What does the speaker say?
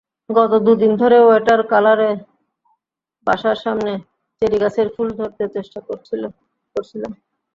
গত দু দিন ধরে ওয়াটার কালারে বাসার সামনের চেরি গাছের ফুল ধরতে চেষ্টা করছিলাম।